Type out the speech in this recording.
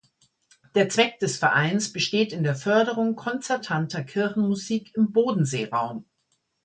Der Zweck des Vereins besteht in der Förderung konzertanter Kirchenmusik im Bodenseeraum.